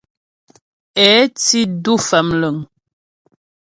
Ě tí du Famləŋ.